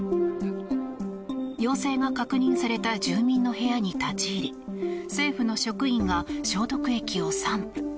陽性が確認された住民の部屋に立ち入り政府の職員が消毒液を散布。